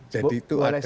jadi itu ada